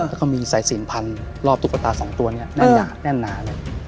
เออก็มีสายสินพันธุ์รอบตุ๊กตาสองตัวเนี้ยเออแน่นหนาเลย